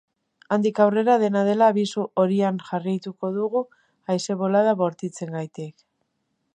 Handik aurrera, dena dela, abisu horian jarraituko dugu haize bolada bortitzengatik.